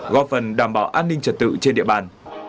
góp phần đảm bảo an ninh trật tự trên địa bàn